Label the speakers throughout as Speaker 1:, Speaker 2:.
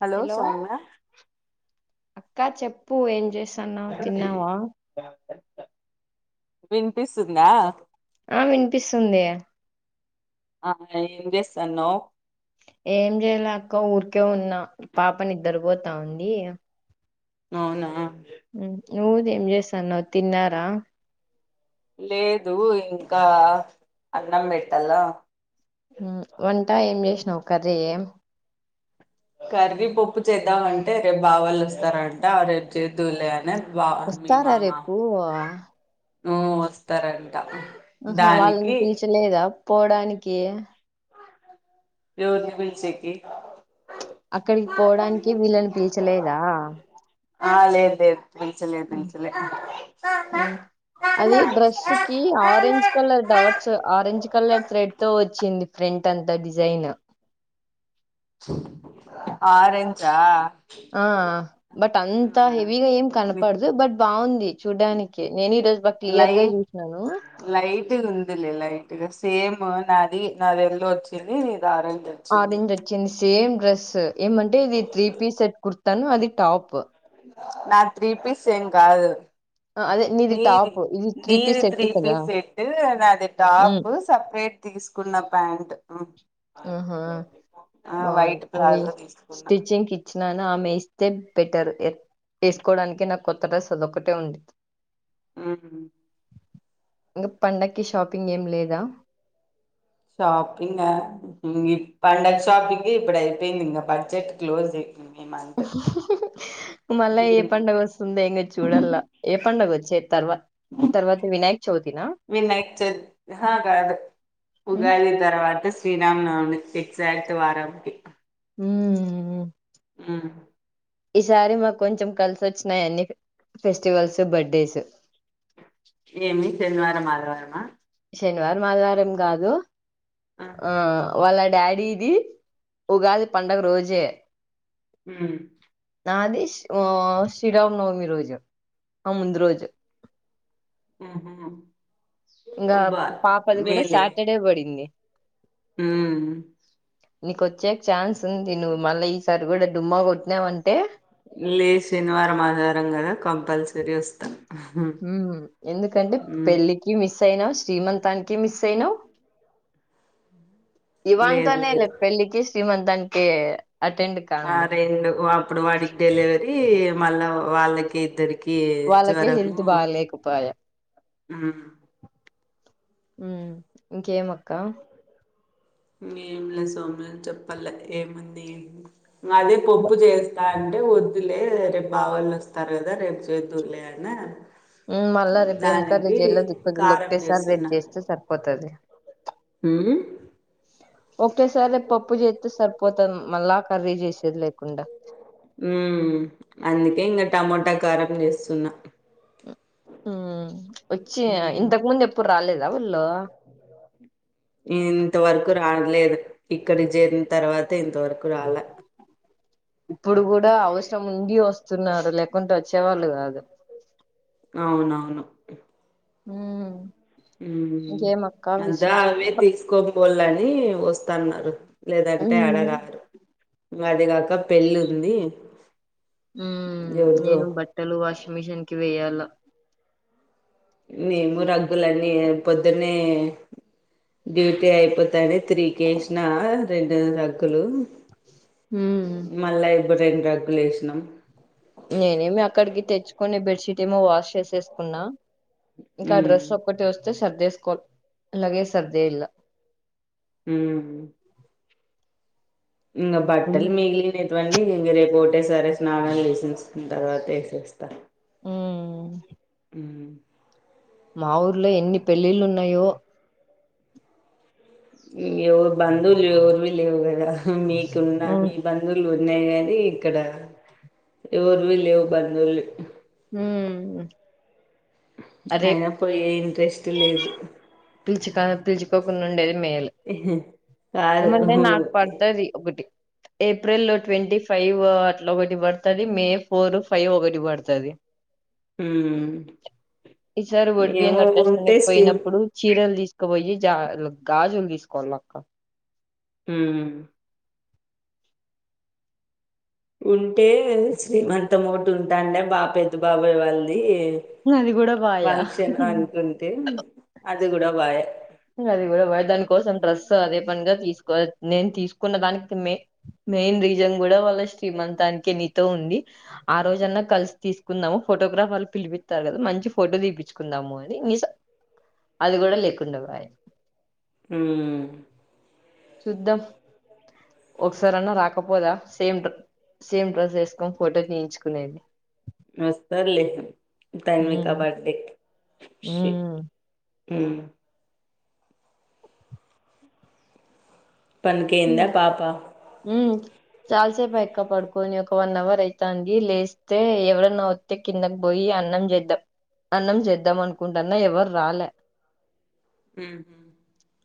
Speaker 1: Hello Soumya
Speaker 2: అక్కా చెప్పు ఏం చేస్తున్నావు తిన్నావా
Speaker 1: వినిపిస్తుందా
Speaker 2: ఆ వినిపిస్తుంది
Speaker 1: ఆ ఏం చేస్తున్నావు
Speaker 2: ఏం చేయలే అక్క ఊరికే ఉన్నా పాప నిద్దర పోతా ఉంది
Speaker 1: అవునా
Speaker 2: నువ్వు ఏం చేస్తానువ్వు తిన్నారా
Speaker 1: లేదు ఇంకా అన్నం పెట్టాల
Speaker 2: వంట ఏం చేసినావు కర్రీ ఏ
Speaker 1: కర్రీ పప్పు చేద్దామంటే రేపు మావాళ్ళు వస్తారంట రేపు చేదువులే అని బ మీ
Speaker 2: వస్తారా
Speaker 1: మామా
Speaker 2: రేపు
Speaker 1: వస్తారండి
Speaker 2: ఆహా వాళ్ళని పీల్చలేదా పోవడానికి
Speaker 1: ఎవరిని పిల్చికి
Speaker 2: అక్కడికి పోవడానికి వీళ్ళని పీల్చలేదా
Speaker 1: ఆ లేదు లేదు పీల్చల పీల్చల
Speaker 2: ఉమ్. అది డ్రెస్ కి orange colour dots orange colour thread తో వచ్చింది ఫ్రెంట్ అంతా డిజైన్
Speaker 1: ఆరెంజా
Speaker 2: ఆ బట్ అంత హెవిగా ఏం
Speaker 1: ఆ
Speaker 2: కనపడదు బట్ బాగుంది
Speaker 1: లైట్
Speaker 2: జూసినాను.
Speaker 1: లైట్ కుందిలేలైట్ ఇక సేమ్ నాది నాది ఎల్లో వచ్చింది నీది ఆరెంజ్ వచ్చింది
Speaker 2: ఆరెంజొచ్చింది సేమ్ డ్రెస్ ఏమంటే ఇది త్రీ పీస్ సెట్ కుర్తాను అది టాప్
Speaker 1: నాది త్రీ పీస్ ఏం కాదు
Speaker 2: అదే
Speaker 1: నీది
Speaker 2: టాప్. ఇది పీస్
Speaker 1: నీది
Speaker 2: సెట్
Speaker 1: త్రీ
Speaker 2: కదా!
Speaker 1: పీస్ సేట్టు నాది
Speaker 2: హ్మ్.
Speaker 1: టాప్ సపరేట్ తీసుకు నా ప్యాంట్
Speaker 2: ఆహా
Speaker 1: ఆ
Speaker 2: బావుంది
Speaker 1: వైట్
Speaker 2: అది
Speaker 1: ప్లాజో తీసుకున్నా
Speaker 2: స్టిచ్చింగ్కి ఇచ్చినాను ఆమె ఇస్తే పెట్టారు వేసుకోవడానికి నాకు కొత్త డ్రెస్ అదొక్కటే ఉంది
Speaker 1: ఆ
Speaker 2: ఇంకా పండగకి షాపింగ్ ఏం లేదా
Speaker 1: షాపింగ్ పండగ షాపింగ్ ఇప్పుడు అయిపోయింది ఇ బడ్జెట్ క్లోజ్ అయిపోయింది ఈ మంత్
Speaker 2: మళ్ళా ఏ
Speaker 1: ఉమ్.
Speaker 2: పండుగ వస్తుంది ఇంగ చూడల్లా ఏ పండుగ వచ్చేది తర్వా తర్వాత వినాయక చవితి నా
Speaker 1: వినాయక ఆహా కాదు
Speaker 2: ఉమ్.
Speaker 1: ఉగాది తర్వా శ్రీరామనవమి ఎగ్జాక్ట్ వారంకి
Speaker 2: హ్మ్
Speaker 1: హ్మ్
Speaker 2: ఈసారి మాకు కొంచెం కలిసి వచ్చినాయి అన్ని ఫెస్టివల్స్ బర్డేస్
Speaker 1: ఏమి శనివారం ఆదివారమా
Speaker 2: శనివారం ఆదివారం కాదు ఆ వాళ్ళ డాడీది ఉగాది పండగ రోజే
Speaker 1: హ్మ్
Speaker 2: నాది ఆ శ్రీరామనవమి రోజు ఆ ముందు రోజు
Speaker 1: హ్మ్ హు
Speaker 2: ఇంగా పాపది కూడా సాటర్డే పడింది
Speaker 1: హ్మ్
Speaker 2: నీకొచ్చేకి ఛాన్స్ ఉంది నువ్వు మళ్ళీ ఈసారి కూడా డుమ్మా కొట్టినావంటే
Speaker 1: లే శనివారం ఆదివారం కదా కంపల్సరీ వస్తా
Speaker 2: హ్మ్ ఎందుకంటే
Speaker 1: ఉమ్
Speaker 2: పెళ్ళికి మిస్ ఎంతైనా శ్రీమంతానికి మిస్ అయినావ్
Speaker 1: లేదు
Speaker 2: ఇవంతానే లే
Speaker 1: లేదు
Speaker 2: పెళ్ళికి శ్రీమంతనికి
Speaker 1: ఆ రెండు అప్పుడు వాడికి డెలివరీ మళ్ళా వాళ్ళకి ఇద్దరి కి
Speaker 2: వాళ్ళకే
Speaker 1: జ్వరము
Speaker 2: హెల్త్ బాలేకపాయె.
Speaker 1: హ్మ్
Speaker 2: హ్మ్ ఇంకేమక్క
Speaker 1: ఏం లే సోములు చెప్పాల ఏముంది నాదే పొప్పు చేస్తా అంటే వొ దులే రేపు బావాళ్ళు వస్తారు కదా రేపు చేదువులే అన
Speaker 2: హ్మ్ మళ్ళా రేపు ఏం కర్రీ చేయలో ది‌క్కుతేల్దు
Speaker 1: కారం
Speaker 2: ఒకటేసారి రేపు చేస్తే సరిపోతాది
Speaker 1: హ్మ్
Speaker 2: ఒకటేసారి రేపు పప్పు చేస్తే సరిపోతాది మళ్ళా కర్రీ చేసేది లేకుండా
Speaker 1: హ్మ్ హ్మ్ అందుకే ఇంగా టమోటా కారం చేస్తున్నా
Speaker 2: హ్మ్ వచ్చ
Speaker 1: ఉమ్,
Speaker 2: ఇంతకు ముందు ఎప్పుడు రాలేదా వాళ్ళు
Speaker 1: ఇంతవరకు రాలేదు ఇక్కడి జేరిన తర్వాత ఇంతవరకు రాలా
Speaker 2: ఇప్పుడు కూడా అవసరం ఉండి వస్తున్నారు లేకుంటే వచ్చేవాళ్ళు కాదు
Speaker 1: అవునవును
Speaker 2: హ్మ్
Speaker 1: హ్మ్
Speaker 2: ఇంకేమక్క
Speaker 1: అద్దా అవే
Speaker 2: విశేష్
Speaker 1: తీసుకోపోవల ది వస్తాన్నారు లేదంటే
Speaker 2: ఉమ్
Speaker 1: అడగారు అదిగా ఇకా పెళ్ళి ఉంది
Speaker 2: ఉమ్
Speaker 1: ఎవరిదో
Speaker 2: నేను బట్టలు వాషింగ్ మిషిన్ కి వేయాల
Speaker 1: నీము రగ్గులన్నీ పొద్దున్నే డ్యూటీ అయిపోతానే త్రీకేసిన రెండు రగ్గులు
Speaker 2: హ్మ్
Speaker 1: ఇడ రెండు రగ్గులు ఏసినాం
Speaker 2: నేనేమి అక్కడికి తెచ్చుకునే బెడ్ షీట్ ఏమో వాష్ చేసేసుకున్నా ఇంకా
Speaker 1: ఉమ్
Speaker 2: డ్రెస్ ఒక్కటి వస్తే సర్దేసుకోవాలి అలాగే సర్దేయాలా
Speaker 1: ఉమ్ ఇంగ
Speaker 2: ఉమ్
Speaker 1: బట్టలు మిగిలినేటివన్ని ఇంగ రేపు ఒకటే సరే స్నానాలు చేసేసుకున్న తర్వాత ఏసేస్తా
Speaker 2: హ్మ్
Speaker 1: హ్మ్
Speaker 2: మా ఊర్లో ఎన్ని పెళ్ళిళ్ళున్నాయో
Speaker 1: ఎవరు బంధువులు ఎవర్వి లేవు కదా మీకు ఉన్న
Speaker 2: అవును
Speaker 1: మీ బంధువులు ఉన్నాయి కానీ ఇక్కడ ఎవర్వి లేవు బంధువులు
Speaker 2: మ్
Speaker 1: అయిన పోయే ఏం రెస్ట్ లేదు
Speaker 2: పిలుచుక పిలుచుకోకుండా ఉండేది మేలు
Speaker 1: కాదు
Speaker 2: ఏమంటే
Speaker 1: ఉమ్
Speaker 2: నాకు పడుతది ఒకటి ఏప్రిల్ ట్వంటీ ఫైవ్ అట్లా ఒకటి పడుతది మే ఫోర్ ఫైవ్ ఒకటి పడుతది ఈసార్ వడ్ బియం
Speaker 1: ఏమో ఉంటే
Speaker 2: కట్టేస్తుకోనేనికి
Speaker 1: శ్రీ
Speaker 2: పోయినప్పుడు ట్టల్ తీసుకుపోయి జ గాజులు తీసుకోవాలి అక్క
Speaker 1: హ ఉంటే శ్రీమంతం ఒకటి ఉంటాడే బా పెద్ద బాబయ వాళ్ళది
Speaker 2: అది కూడా బాయా
Speaker 1: ఫంక్షన్ అంటుంటే అది కూడా వాయే
Speaker 2: అది కూడా వా దాని కోసం డ్రస్ అదే పనిగా తీసుకోవాల నేను తీసుకున్న దానికి మె మెయిన్ రీజన్ కూడా వాళ్ళ శ్రీమంతానికి నితో ఉంది ఆ రోజన్నా కలిసి తీసుకుందాము ఫోటోగ్రాఫర్ ను పిలిపిస్తారు కదా మంచి ఫోటో తీపించుకుందాము అని అది కూడా లేకుండా పాయే
Speaker 1: మ్
Speaker 2: చూద్దాం ఒకసారి అన్న రాకపోదా సేమ్ సేమ్ డ్రస్ వేసుకోని ఫోటో తీయించుకునేది
Speaker 1: నస్తర్లే తన్విక బర్డేకి
Speaker 2: ఉమ్
Speaker 1: హ్మ్
Speaker 2: ఉమ్
Speaker 1: పందుకేందా పాపా
Speaker 2: ఉమ్ చాలాసేపు అయక్క పడుకొని ఒక వన్ అవర్ అయితంది లేస్తే ఎవరన్నా వస్తే కిందకి పోయి అన్నం చేద్దాం అన్నం చేద్దాం అనుకుంటున్నా ఎవరు రాలే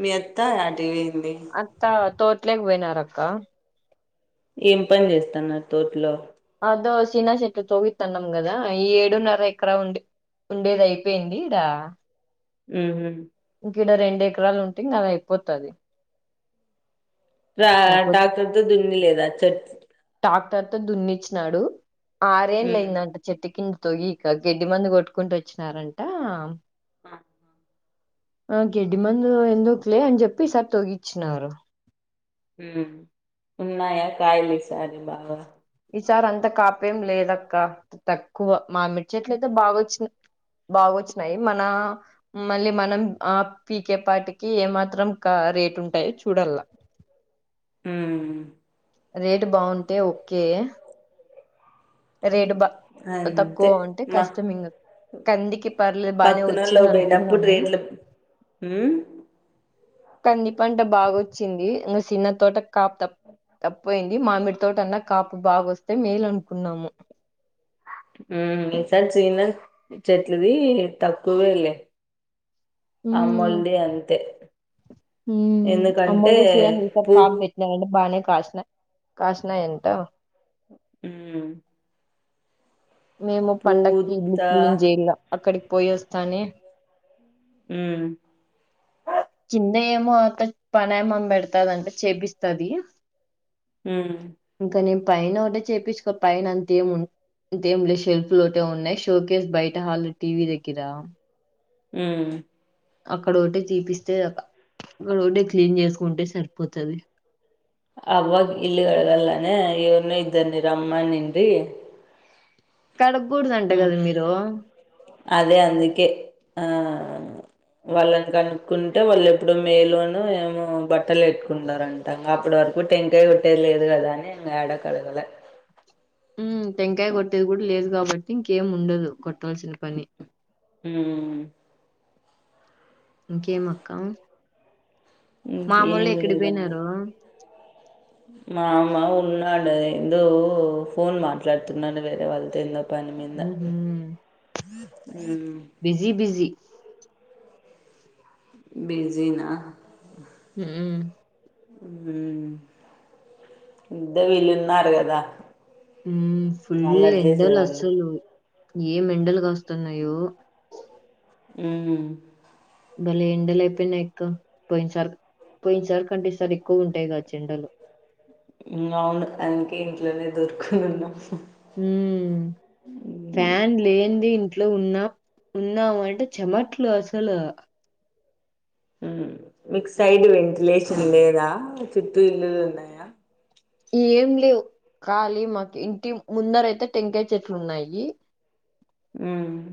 Speaker 1: మీ అత్తా ఏడికిపోయి
Speaker 2: అత్త తోట్లేక పోయినారక్క
Speaker 1: ఏం పని చేస్తాన్నారు తోట్లో
Speaker 2: అదో సీనశెట్ తోవితన్నాం కదా ఈ ఏడున్నర ఎకరా ఉంది ఉండేది అయిపోయింది ఇడా
Speaker 1: ఉహ్మ్
Speaker 2: ఇడ రెండు ఎకరాలు ఉంటే అది అయిపోతది
Speaker 1: డా
Speaker 2: అయిపో
Speaker 1: ట్రాక్టర్తో దున్ని లేదా చెట్
Speaker 2: ట్రాక్టర్ తో దున్నిచ్చినాడు ఆరేలు
Speaker 1: హ్మ్
Speaker 2: అయిందంట చెట్టు కిం ఇక గడ్ది మందు కొట్టుకుంటూ వచ్చినారంట
Speaker 1: ఆ
Speaker 2: ఆ గెడ్డి మందు ఎందుకులే అని చెప్పి ఈ సారీ తొగిచ్చినారు
Speaker 1: ఉన్నాయ కాయలి సారి బాగా
Speaker 2: ఈసారి అంత కాపేం లేదక్క తక్కువ మామిడీ చెట్ల అయితే బాగోచ్చి బాగోచ్చినాయి మన మళ్ళీ మనం ఆ పీకేపాటికి ఏమాత్రం కా రేట్ ఉంటాయి చూడాల
Speaker 1: ఉమ్
Speaker 2: రేటు బాగుంటే ఓకే రేటు బా
Speaker 1: అంతే
Speaker 2: తక్కువ ఉంటే
Speaker 1: మా
Speaker 2: కష్టం ఇంగ కందికి పర్లేదు బానే
Speaker 1: పక్కనోలో
Speaker 2: వచ్చింది
Speaker 1: అయిపోయినప్పుడు
Speaker 2: అనుకున్నాము
Speaker 1: రేట్లు
Speaker 2: కంది పంట బాగోచ్చింది నువ్వు చిన్న తోట కాపుత తప్పయింది మామిడి తోటన్నా కాపు బాగోస్తే మేలు అనుకున్నాము
Speaker 1: ఈసారి చేన చెట్లది తక్కువేళ్ళ
Speaker 2: ఉమ్
Speaker 1: అమ్మల్ది అంతే
Speaker 2: అమ్మ
Speaker 1: ఎందుకంటే
Speaker 2: చినస
Speaker 1: పూ
Speaker 2: కాపుపెటినరంట బానే కాస్నా కాస్నాఅంట
Speaker 1: ఉ
Speaker 2: మేము పండక్కి ఇల్లు క్లీన్ చేయలా అక్కడికి పోయి వస్తానే
Speaker 1: హ్
Speaker 2: కింద ఏమో అక్క పనమే పెడతాదంట చేపిస్తది
Speaker 1: ఉమ్
Speaker 2: ఇంకా నేను పైన ఒకటే చేపించు కో పైన అంత ఏమ్ ఉం దేం లేదు షెల్ఫ్ లోటే ఉన్నాయి షో కేేస్ బయట హల్ టీవీ దగ్గర
Speaker 1: ఉమ్
Speaker 2: అక్కడ ఒకటి తీపిస్తే అ అక్కడ ఒకటే క్లీన్ చేసుకుంటే సరిపోతది
Speaker 1: ఆవ్వ కు ఇల్లు కాడగలనే ఇ ఉన్న ఇద్దరినీ రమ్మనింది
Speaker 2: కడగకూడదంట
Speaker 1: ఆ
Speaker 2: కదా మీరు
Speaker 1: అదే అందుకే ఆ వాళ్ళను కనుక్కుంటే వాళ్ళు ఎప్పుడు మే లో న ఏమో బట్టలు ఎట్టుకుంటారంటా అప్పటి వ రకు టెంకాయ కొట్టేది లేదు కదా అని అడా కడగలే
Speaker 2: హు టెంకాయ కొట్టేది కూడా లేదు కాబట్టి ఇంకేం ఉండదు కొట్టవలసిన పని
Speaker 1: హ్మ్
Speaker 2: ఇంకేం అక్క మామ్మొల్లు
Speaker 1: ఇంకేం
Speaker 2: ఎక్కడి పోయినారు
Speaker 1: మామ ఉన్నాడే ఎందో ఫోన్ మాట్లాడుతున్నాడు వేరే వాళ్ళతో ఎందో పని మీద
Speaker 2: ఉహు
Speaker 1: హ్మ్
Speaker 2: బిజీ, బిజీ
Speaker 1: బిజీనా
Speaker 2: హుమ్మ్
Speaker 1: హుమ్మ్ ఇందే విలున్నరుగాదా
Speaker 2: హుమ్ ఫుల్ ఎండలు అసలు ఏమ్ ఎండలు కాస్తున్నాయో
Speaker 1: ఉమ్
Speaker 2: బలే ఎండలు అయిపోయినాయి అక్క పోయిన సార్ పోయినసారి కంటే ఈసారి ఎక్కువ ఉంటాయి. కావచ్చు ఎండలు,
Speaker 1: హ్ అవును అందుకే, ఇంట్లోనే దొరుకోని ఉన్నా.
Speaker 2: ఉమ్మ్ ఫ్యాన్ లేంది ఇంట్ ఇంట్లో ఉన్నా ఉన్నాము, అంటే చెమట్లు అసలు.
Speaker 1: హు మీకు సైడ్ వెంటిలేషన్ లేదా, చుట్టూ ఇల్లులు ఉన్నాయా.
Speaker 2: ఎమ్ లేవు కాలీ మాకు ఇంటి ముందర, అయితే టెంకాయ చెట్లు ఉన్నాయి.
Speaker 1: ఉమ్మ్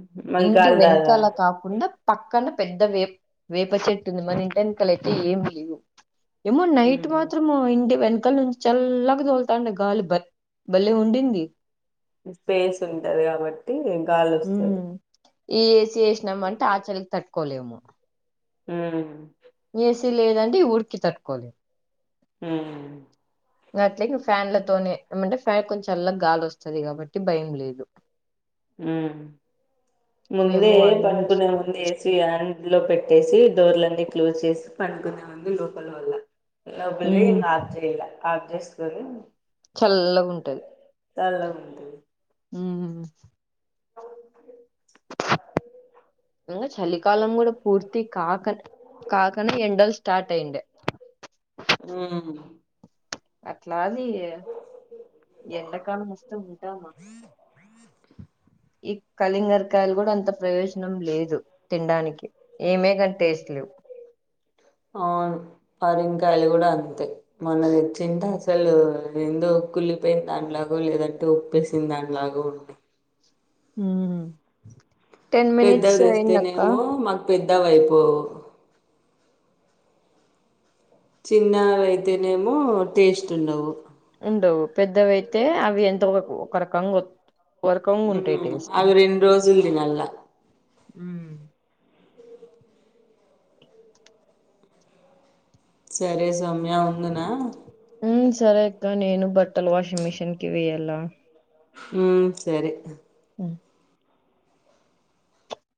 Speaker 2: ఇంటి వెనకాల కాకుండా పక్కన పెద్ద వేప్ వేప చెట్టు ఉంది. మన ఇంటి వెనకాల అయితే ఏమి లేవు. ఏమో నైట్
Speaker 1: ఉహు
Speaker 2: మాత్రము ఇంటి వెన్ అక్కల నుంచి చల్లగా, తోలుతాండే గాలి బల్ బల్లే ఉండింది.
Speaker 1: స్పేస్ ఉంటది, కాబట్టి గాలి వస్తాది.
Speaker 2: ఉమ్ ఈ ఏసి వేసినామంటే, ఆచలికి తట్టుకోలేము.
Speaker 1: ఉమ్మ్
Speaker 2: ఏసి లేదంటే ఉడికి తట్టుకోలేమ్.
Speaker 1: హ్మ్మ్
Speaker 2: గట్లే ఫ్యాన్లతోనే ఏమంటే ఫ్యాన్, కొంచెం చల్లగా గాలి వస్తాది కాబట్టి భయం లేదు.
Speaker 1: ఉమ్మ్ ముందే
Speaker 2: మేము అన్నం
Speaker 1: పడుకునే ముందే ఏసి అన్, లో పెట్టేసి డోర్లన్నీ క్లోజ్ చేసి, పడుకునే ముందు లోపల వల్ల. లోపలివి
Speaker 2: ఉమ్.
Speaker 1: ఆఫ్ చేయాల ఆఫ్ చేసుకొని
Speaker 2: చల్లగా ఉంటది.
Speaker 1: చల్లగా ఉంటది.
Speaker 2: ఉమ్
Speaker 1: అవును
Speaker 2: ఇంగ చలికాలం కూడా పూర్తి కాక కాకనే ఎండలు స్టార్ట్ అయ్యుండే
Speaker 1: ఉమ్మ్
Speaker 2: అట్లాది ఎండకాలం వస్ టాముటమా ఇక్ కలింగరకాయలు కూడా అంత ప్రయోజనం లేదు, తినడానికి ఏమే కానీ టేస్ట్ లేవు.
Speaker 1: అవును పరిమ్ కాయలు కూడా అంతే మల్ల తెచ్చింట అసలు ఎందొ కుళ్ళిపోయిన దానల్యాగో లేదంటే ఉప్పేసిన దాంల్యాగో ఉండి
Speaker 2: ఉమ్
Speaker 1: పెద్దది
Speaker 2: అయిందక్క
Speaker 1: తెస్తేనేమో మాకు పెద్ దవైపు చిన్నవి అయితేనేమో, టేస్ట్ ఉండవు.
Speaker 2: ఉండవు పెద్దవియితే అవి ఎంత ఒక రకంగా వోత్
Speaker 1: హ్మ్ అవి రెండు రోజుల తిన్నల
Speaker 2: ఉమ్మ్
Speaker 1: సరే సౌమ్యా ఉందనా.
Speaker 2: ఉమ్మ్ సరే అక్క నేను బట్టలు, వాషింగ్ మిషిన్ కి వయ్యాల
Speaker 1: మ్ సరే
Speaker 2: అ